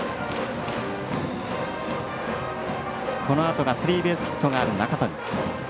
このあとがスリーベースヒットがある中谷。